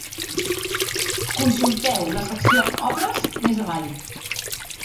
Consulteu la secció "Obres" més avall.